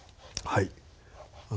はい。